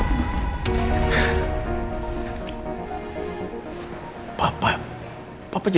gak tak berimu